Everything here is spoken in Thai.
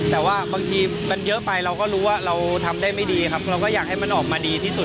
แต่ว่าบางทีมันเยอะไปเราก็รู้ว่าเราทำได้ไม่ดีครับเราก็อยากให้มันออกมาดีที่สุด